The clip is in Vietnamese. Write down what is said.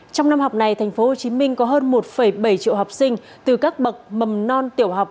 trong năm học này tp hcm có hơn một bảy triệu học sinh từ các bậc mầm non tiểu học